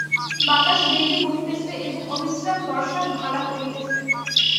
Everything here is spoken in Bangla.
বাতাস বেগে বহিতেছে এবং অবিশ্রাম বর্ষার ধারা পড়িতেছে।